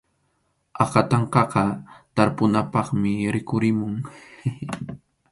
Akatanqaqa tarpunapaqmi rikhurimun.